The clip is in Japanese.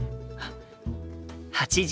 ８時。